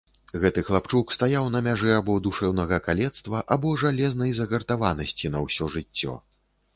Гэты хлапчук стаяў на мяжы або душэўнага калецтва, або жалезнай загартаванасці на ўсё жыццё.